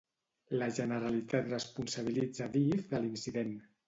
La Generalitat responsabilitza Adif de l'incident.